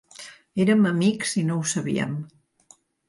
Érem amics i no ho sabíem.